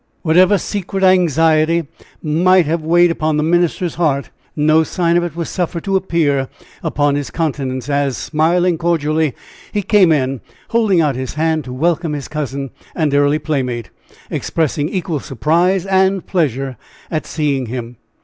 Whatever secret anxiety might have weighed upon the minister's heart, no sign of it was suffered to appear upon his countenance, as, smiling cordially, he came in holding out his hand to welcome his cousin and early playmate, expressing equal surprise and pleasure at seeing him.